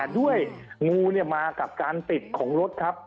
ด้วยงูมากับการติดของรถครับ